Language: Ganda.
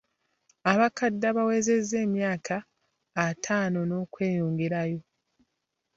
Abakadde abawezezza emyaka ataano n'okweyongerayo.